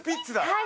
はい。